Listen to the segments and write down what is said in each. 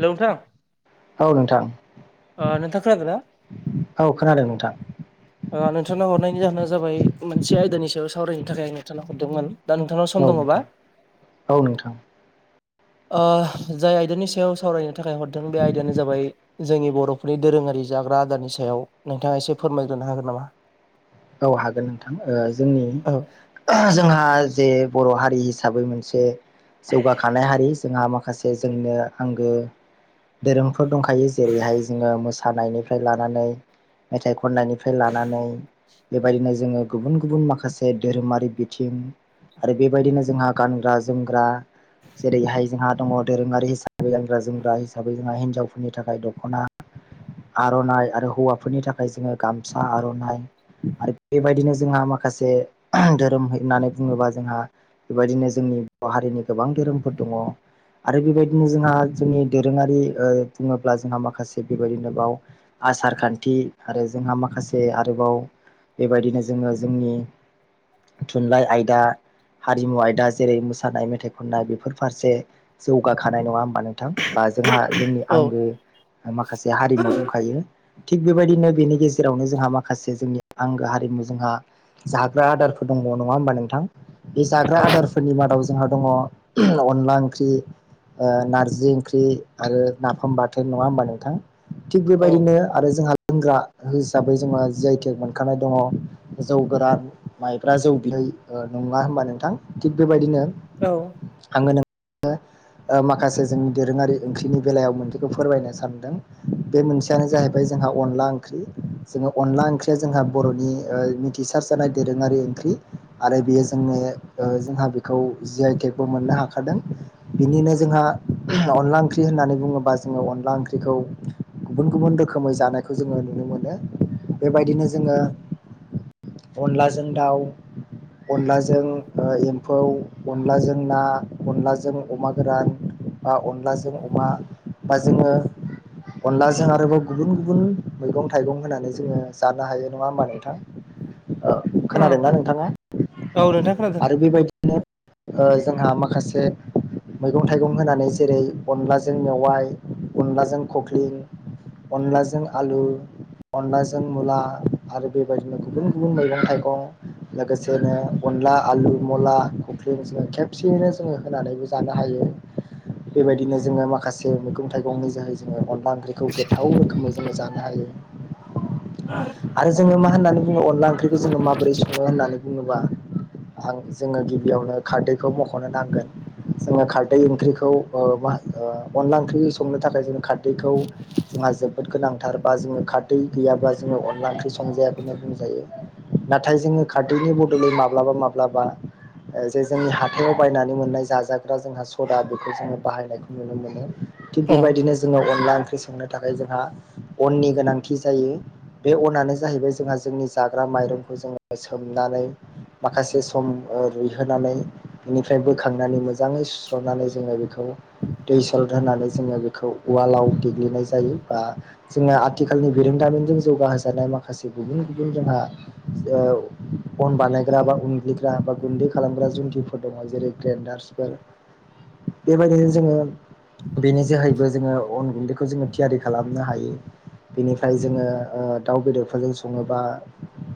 Hello औ नोंथां नोंथाङा खोनादों ना? औ खोनादों नोंथां नोंथांनाव हरनायनि जाहोना जाबाय मोनसे आयदानि सायाव सावरायनो थाखाय आं नोंथांनाव हरदोंमोन। दा नोंथांनाव सम औ दङबा नोंथां औ नोंथां ओ जाय आयदानि सायाव सावरायनो थाखाय हरदों बे आयदायानो जाबाय जोंनि बर'फोरनि दोरोङारि जाग्रा आदारनि सायाव नोंथाङा एसे फोरमायग्रोनो हागोन नामा? औ हागोन नोंथां जोंनि औ जोंहा जे बर' हारि रि हिसाबै मोनसे जौगाखानाय हारि जोंहा माखासे जोंनो आंगो धोरोमफोर दंखायो जेरैहाय जोङो मो मोसानायनिफ्राय लानानै मेथाइ खन्नायनिफ्राय लानानै बेबायदिनो जोङो गुबुन गुबुन माखासे धोरोमारि बिथिं आरो बेबायदिनो जोंहा गानग्रा जोमग्रा जेरैहाय जोंहा दङ दोरोङारि हिसाबै गानग्रा जोमग्रा हिसाबै जोंहा हिन्जावफोरनि थाखाय दख'ना आर'नाइ आरो हौवाफोरनि थाखाय जोङो गामसा आर'नाइ आरो बेबायदिनो जोंहा माखासे धोरोम होननानै बुङोबा जोंहा बेबायदिनो जोंनि बर' हारिनि गोबां धोरोमफोर दङ आरो बेबायदिनो जोंहा जोंनि दोरोङारि बुङोब्ला जोंहा माखासे बेबायदिनो बाव आसार खान्थि आरो जोंहा माखासे आरोबाव बेबायदिनो जोङो जोंनि थुनलाइ आयदा हारिमु आयदा जेरै मोसानाय मेथाइ खननाय बेफोर फारसे जौगाखानाय नङा होमबा नोंथां बा जोंहा जोंनि औ आंगो माखासे हारिमु दंखायो थिग बेबायदिनो बेनि गेजेरावनो जोंहा माखासे जोंनि आंगो हारिमु जोंहा जाग्रा आदारफोर दंबावो नङा होमबा नोंथां बे जाग्रा आदारफोरनि मादाव जोंहा दङ अनला ओंख्रि नारजि ओंख्रि आरो नाफाम बाथोन नङा होमबा नोंथां थिग औ बेबायदिनो आरो जोंहा लोंग्रा हिसाबै जोंहा जि आइ टेक मोन खानाय दङ जौ गोरान माइब्रा जौ बिहै नङा होनबा नोंथां थिग बेबायदिनो औ नो ओ माखासे जोंनि दोरोङारि ओंख्रिनि बेलायाव मोनसेखौ फोरमायनो सानदों बे मोनसेयानो जाहैबाय जों जोंहा अनला ओंख्रि जोंहा अनला ओंख्रिया जोंहा बर'नि मिथिसार जानाय दोरोङारि ओंख्रि आरो बेयो जोंनो जोंहा बेखौ जि आइ टेकबो मोननो हाखादों बिनिनो जोंहा अनला ओंख्रि होननानै बुङोबा जोंङो अनला ओंख्रिखौ गुबुन गुबुन रोखोमै जानायखौ जोंङो नुनो मोनो बेबायदिनो ज जोंङो अनलाजों दाउ अनलाजों एम्फौ अनलाजों ना अनलाजों अमा गोरान बा अनलाजों अमा बा जोंङो अनलाजों आरोबाव गुबुन गुबुन मैगं थाइगं होनानै जोंङो जानो हायो नङा होमब नोंथां। ओ उम खोनादोंना नोंथाङा? ओ औ नोंथां खोनादों आरो बेबायदिनो जोंहा माखासे मैगं थाइगं होनानै जेरै अनलाजों मेवाइ अनलाजों खख्लिं अनलाजों आलु अनलाजों मुला आरो बेबायदिनो गुबुन गुबुन मैगं थाइगं लोगोसेनो अनला आलु मुला क्रिम जों खेबसेयैनो जोंङो होनानैबो जानो हायो। बेबायदिनो जोंङो माखासे मैगं थाइगंनि जोहै जोंङो अनला ओंख्रिखौ गोथाव रोखोमै जोंङो जानो हायो। आरो जोङो मा होननानै बुङो अनला ओंख्रिखौ जोंङो माबोरै संङो होननानै बुङोब्ला जोंङो गिबियावनो खारदैखौ मखनो नांगोन जोंङो खारदै ओंख्रिखौ ओ ओअनला ओंख्रि संनो थाखाय जों खारदैखौ जोंहा जोबोद गोनांथार बा जोङो खारदै गैयाबा जोंङो अन अनला ओंख्रि संजायाखौनो बुंजायो नाथाय जोंङो खारदैनि बदलै माब्लाबा माब्लाबा जे जोंनि हाथायाव बायनानै मोननाय जाजाग्रा जोंहा सदा बेखौ जोंङो बाहायनायखौ नुनो मोनो। थिग औ बेबायदिनो जोंङो अनला ओंख्रि संनो थाखाय जोंहा अननि गोनांथि जायो। बे अनानो जाहैबाय जोंहा जोंनि जाग्रा माइरंखौ जोंङो सोमनानै माखासे सम रुइहोनानै बेनिफ्राय बोखांनानै मोजाङै सुस्र'नानै जोंङो बिखौ दै सलद होनानै जोंङो बेखौ उवालाव देग्लिनाय जायो। बा जोंङो आथिखालनि बिरोंदामिनजों जौगाहजानाय माखासे गुबुन गुबुन जोंहा ओ अन बानायग्रा बा उनग्लिग्रा बा गुन्दै खालामग्रा जुंन्थिफोर दङ जेरै ग्रेन्डारसफोर बेबायदिनो जोंङो बेनि जोहैबो जोंङो अन गुन्दैखौ जोंङो थियारि खालामनो हायो बेनिफ्राय जोंङो ओ दाउ बेदरफोरजों संङोबा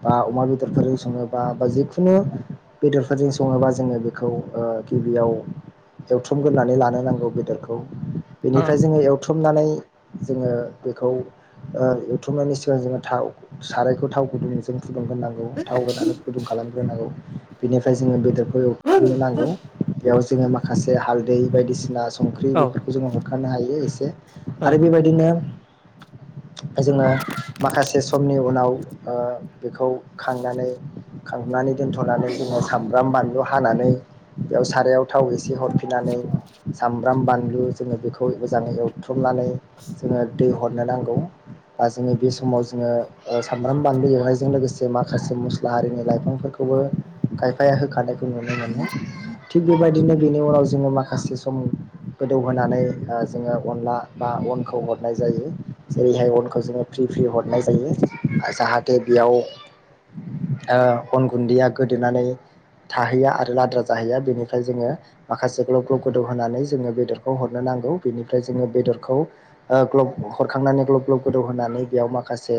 बा अमा बेदरफोरजों संङोबा बा बा जिखुनु बेदरफोरजों सङोबा जोंङो बेखौ ओ गिबियाव एवथ्रुमग्रोनानै लानो नांगौ बेदरखौ। बेनिफ्राय जोंङो एवथुमनानै जोंङो बेखौ एवथुमनानै जोंङो थाव सारायखौ थाव गुदुं जों फुदुंग्रोनांगौ थाव होनानै फुदुं खालामग्रोनांगौ। बेनिफ्राय जोंङो बेदरखौ एवथुमनो नांगौ बेयाव जोंङो माखासे हालदै बायदिसिना संख्रि औ बेफोरखौ ओ जोंङो होखारनो हायो एसे आरो बेबायदिनो ओ जोंङो माखासे समनि उनाव ओ बेखौ खांनानै खांनानै दोनथनानै जोंङो सामब्राम बानलु हानानै बेयाव सारायाव थाव एसे एसे हरफिननानै साम सामब्राम बानलु जोंङो बेखौ मोजाङै एवथ्रमनानै जोंङो दै हरनो नांगौ। [unintelligible] बे समाव जोंङो ओ सामब्राम बानलु एवनायजों लोगोसे माखासे मस्ला हारिनि लाइफांफोरखौ खौबो खायफाया होखा खानायखौ नुनो मोनो थिग बेबायदिनो बेनि उनाव जोंङो माखासे सम गोदौहोनानै ओ जोंङो अनला बा अनखौ हरनाय जायो जेरैहाय अनखौ जोंङो फ्रि फ्रि हरनाय जायो जाहाथे बियाव ओ अन गुन्दैया गोदोनानै थाहैया आरो लाद्रा जाहैया बेनिफ्राय जोंङो माखासे ग्लब ग्लब गोदौ होनानै जोंङो बेदरखौ हरनो न नांगौ बेनिफ्राइ जों बेदरखौल ओ ग्लोब हरखांनानै ग्लब ग्लब गौदौहोनानै बेयाव माखासे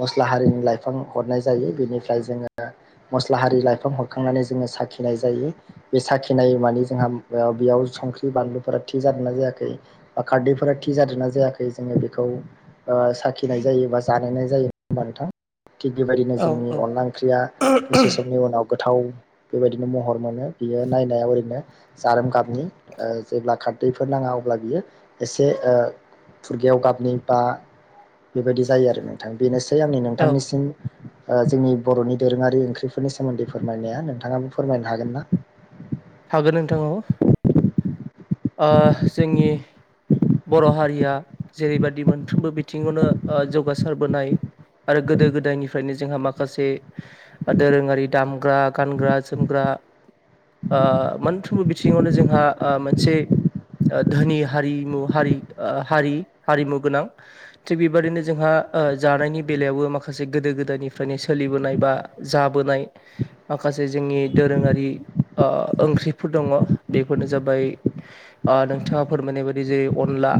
मस्ला हारिनि लाइफां हरनाय जायो। बेनिफ्राय जोंङो मस्ला हारि लाइफां हरखांनानै जोङो साखिनाय जायो बे साखिनाय मानानि जोंहा बेयाव संख्रि बानलुफोरा थि जादोंना जायाखै बा खारदैफोरा थि जादों नना जायाखै जोङो बेखौ साखिनाय जायो बा जानायनाय जायो होनबा नोंथां। थिग बेबायदिनो औ जोंनि अनला ओंख्रिया दसे समनि उनाव गोथाव। बेबायदिनो महर मोनो बियो नायनायाव ओरैनो जारोम गाबनि जेब्ला खारदैफोर नाङा। अब्ला बियो एसे फुरगेयाव गाबनि बा बेबायदि जायो आरो नोंथां बेनोसै आंनि औ नोंथांनिसिम जोंनि बरनि दोरोङारि ओंख्रिफोरनि सोमोन्दै फोरमायनाया नोंथाङाबो फोरमायनो हागोन ना? हागोन नोंथां औ ओ जोंनि बर' हारिया जेरैबाददि मोनफ्रोमबो बिथिङावनो ओ जौगासारबोनाय। आरो गोदो गोदायनिफ्रायनो जोंहा माखासे दोरोङारि दामग्रा, गानग्रा-जोमग्रा [unintelligible] [inaudible] ओ मोनफ्रोमबो बिथिङावनो जोंहा ओ मोनसे धोनि हारिमु हारि आ हारिमु गोनां थिग बेबाददिनो जोंहा ओ जानायनि बेलायावबो माखासे माखासे गोदो गोदायनिफ्रायनो सोलिबोनाय बा जाबोनाय माखासे जोंनि दोरोङारि आ ओंख्रिफोर दङ बेफोरनो जाबाय नोंथाङा फोरमायनाय बायदि जेरै- अनला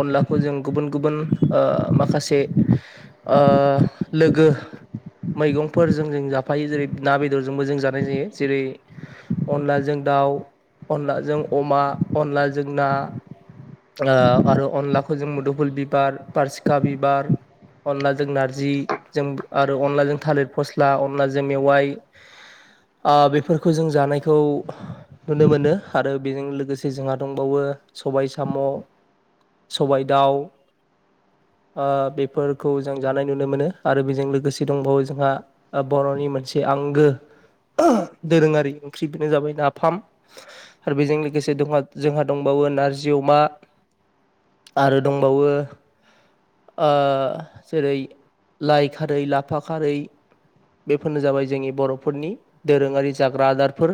अनलाखौ जों गुबुन गुबुन ओ माखासे ओ लोगो मैगंफोरजों जों जाफायो जेरै ना बेदरजोंबो जों जानाय जायो जेरै अनलाजों दाउ, अनलाजों अमा, अनलाजों ना आरो अनलाखौ जों मोदफुल बिबार, बारसिखा बिबार अनलाजों नारजि जों आरो अनलाजों थालिर फस्ला, अनलाजों मेवाइ आ बेफोरखौ जों जानायखौ नुनो मोनो आरो बेजों लोगोसे जोंहा दंबावो सबाय साम', सबबाय दाउ ओ बेफोरखौ जों जानाय नुनो मोनो आरो बेजों लोगोसे दंबावो जोंहा बर'नि मोनसे आंगो दोरोङारि ओंख्रि बेनो जाबाय नाफाम आरो बेजों लोगोसे दो जोंहा दंबावो नारजि जि अमा आरो दंबावो ओ जेरै लाइ खारै, लाफा खारै बेफोरनो जाबाय जोंनि बर'फोरनि दोरोङारि जाग्रा आदारफोर।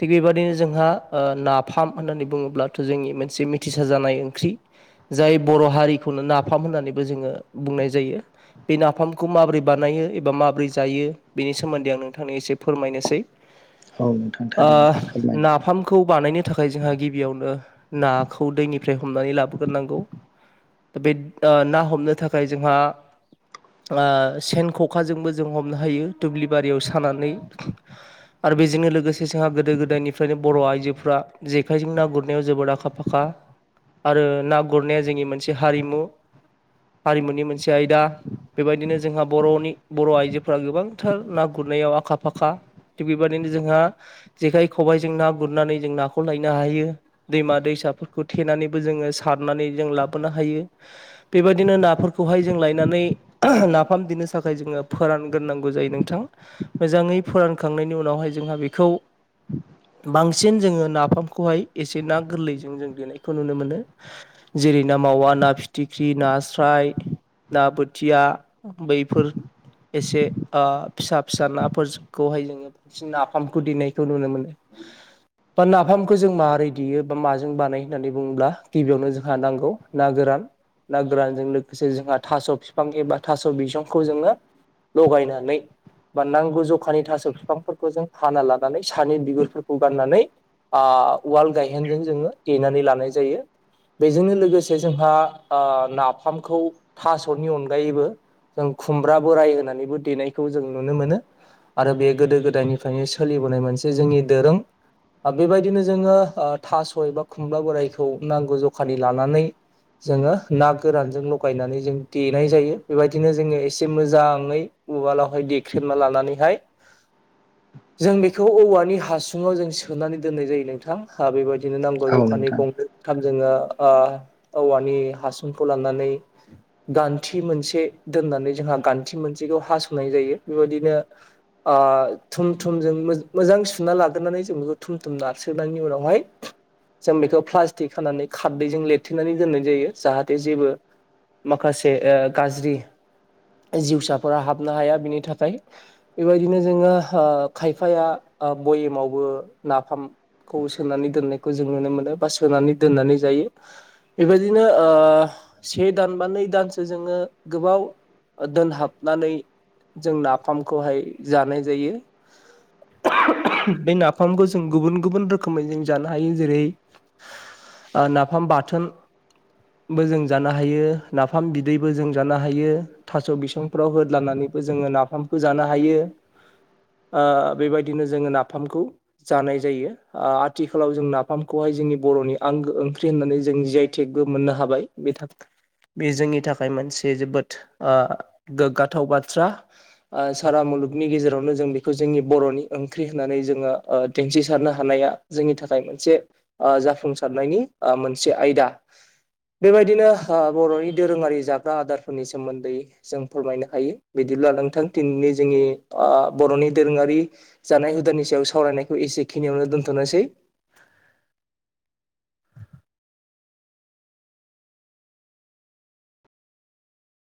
थिग बेबायाददिनो जोंहा ओ नाफाम होननानै बुङोब्लाथ' जोंनि मोनसे मोनसे मिथिसा जानाय ओंख्रि जाय बर' हारिखौनो नाफाम होननानैबो जोङो बुंनाय जायो। बे नाफामखौ माबोरै बानायो एबा माबोरै जायो बेनि सोमोन्दै आं नोंथांनो एसे फोरमायनोसै। औ नोंथां ओ थारैनो फोरमायनो नाफामखौ बानायनो थाखाय जोंहा गिबियावनो नाखौ दैनिफ्राय हमनानै लाबोग्रोनांगौ। दा बे ओ ना हमनो थाखाय जोंहा आ सेन ख'खाजोंबो जों हमनो हायो दुब्लि बारियाव सानानै। आरो बेजोंनो लोगोसे जोंहा गोदो गोदायनिफ्रायनो बर' आइजोफ्रा जेखाइजों ना गुरनायाव जोबोद आखा आखा फाखा आरो ना गुरनाया जोंनि मोनसे हारिमु। हारिमुनि मोनसे आयदा बेबायदिनो जोंहा बर'नि बर' आइजोफोरा गोबांथार ना गुरनायाव आखा फाखा। थिग बेबायदिनो जोंहा जेखाइ खबाइजों ना गुरनानै जों नाखौ लायनो हायो दैमा दैसा फिसाफोरखौ थेनानैबो जोङो सारनानै जों लाबोनो हायो बेबायदिनो नाफोरखौहाय जों लायनानै नो नाफाम दनो थाखाय जोङो फोरानग्रांगौ जायो नोंथां मोजाङै फोरानखां नि नावहाय जोंहा बेखौ बांसि जोङो नाफामखौाय एसे ना गोरलै जों देनायखौ नुनो मोनो। जेरै- ना मावा, ना फिथिख्रि, नास्राय ना बोथिया बैफोर एसे आ फिसा फिसा नाफोरखौहाय जोङो बांसिन नाफामखौ देनायखौ नुनो मोनो। बा नाफामखौ जों माबोरै देयो बा मा जों बानाय होननानै बुङोब्ला गिबियावनो जोंहा नांगौ ना गोरान ना गोरानजों लोगोसे जोंहा थास' बिफांबा थास' बिसंखौ जोङो द'बायनानै बा नांगौ जखानि थास' बिफांफोरखौ जों फाना लानानै सानि बिगुरफोरखौ गाननानै आ उवाल गायहेनजों जोङो देनानै लानाय जायो। बेजोंनो लोगोसे जोंहा आ नाफामखौ थास'नि अनगायैबो जों खुमब्रा बोराय होनानैबो देनायखौ जों नुनो मोनो। आरो बे गोदो गोदायनिफ्रायनो सोलिबोनाय मोनसे जोंनि दोरों। बेबायदिनो जोङो ओ थास'य बा खुमला बोरायखौ नांगौ जखानि लानानै जोङो ना गोरानजों लगायनानै जों देनाय जायो बेबायदिनो जोङो एसे मोजाङै उवालावहाय देख्रेमना लानानैहाय जों बेखौ औवानि हासुङाव जों सोनानै दोननाय जायो नोंथां हा बेबायदि बिदिनो नांगौ हागोन औ जखानि नोंथां। गंनैथाम जोङो ओ औवानि हासुंखौ लानानै गान्थि मोनसे दोननानै जोंहा जोंहा गान्थि मोनसेखौ हास'नाय जायो बेबायदिनो थुम थुमजों मोजां सुना लादेरनानै जों बेखौ थुम थुम नारसोननायनि उनावहाय जों बेखौ प्लास्टिक खानानै खारदैजों लिरथेनानै दोननाय जायो जाहाथे जेबो माखासे ओ गाज्रि जिउसाफोरा हाबनो हाया बिनि थाखाय बेबायदिनो जोङो ओ खायफाया बयेमावबो नाफामखौ सोनानै दोननायखौ जो जों नुनो मोनो बा सोनानै दोननानै जायो बेबादिनो ओ सि दान बा नै दान सानसे जोङो गोबाव दोनहाबनानै जों नाफामखौहाय जानाय जायो बे नाफामखौ जों गुबुन गुबुन रोखोमै जों जानो हायो जेरै नाफाम बाथोन बो जों जानो हायो नाफाम बिदैबो जों जानो हायो थास' बिसंफोराव होदलानानै जोङो नाफामबो जानो हायो। आ बेबायदिनो जोङो नाफामखौ जानाय जायो आथिखालाव जों नाफ फामखौहाय जोंनि बर'नि आंगो ओंख्रि होननानै जों जियाइ टेकबो मोननो हाबाय बे बे जोंनि थाखाय मोनसे जोबोद ओ गोग्गाथाव बाथ्रा सारा म मुलुगनि गेजेरावनो जों बेखौ जोंनि बर'नि ओंख्रि होननानै जोङो दिन्थिसारनो हानाया जोंनि थाखाय मोनसे ओ जाफुंसारनायनि मोनसे आयदा बेबायदिनो ओ बर'नि दोरोङारि जाग्रा आदारफोरनि सोमोन्दै जों फोरमायनो हायो बिदिनो ब्ला नोंथां दिनैनि जोंनि बर'नि दोरोङारि जानाय हुदानि सायाव सावरायनायखौ एसे खिनियावनो दोनथ'नोसै